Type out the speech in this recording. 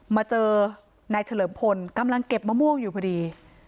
มาเจอนายเฉลิมพลกำลังเก็บมะม่วงอยู่พอดี